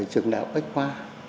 trường đạo bách khoa